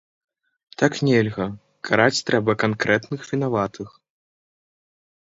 Так нельга, караць трэба канкрэтных вінаватых.